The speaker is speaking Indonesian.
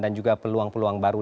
juga peluang peluang baru